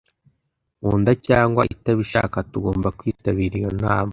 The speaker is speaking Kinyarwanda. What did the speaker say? Nkunda cyangwa itabishaka tugomba kwitabira iyo nama